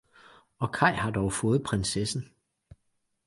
Og Kay har dog fået prinsessen!